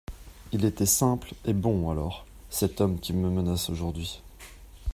Il était simple et bon alors, cet homme qui me menace aujourd'hui.